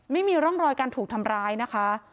ไม่มีร่องรอยการถูกทำร้ายนะคะ